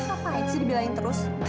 apaan sih dibilangin terus